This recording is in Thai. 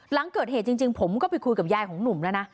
หลังเกิดเหตุจริงผมก็ไปคุยกับยายของหนุ่มแล้วนะ